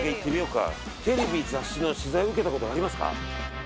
テレビ・雑誌の取材受けた事ありますか？